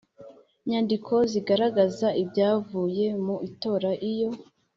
nyandiko zigaragaza ibyavuye mu itora iyo